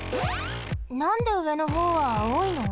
なんでうえのほうはあおいの？